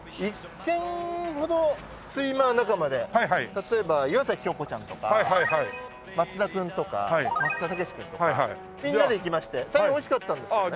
例えば岩崎恭子ちゃんとか松田君とか松田丈志君とかみんなで行きまして大変美味しかったんですよね。